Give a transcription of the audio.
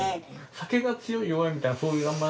酒が強い弱いみたいなそういう。